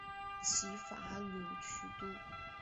齐伐鲁取都。